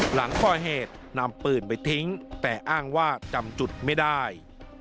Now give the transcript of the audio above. หลังก่อเหตุนำปืนไปทิ้งแต่อ้างว่าจำจุดไม่ได้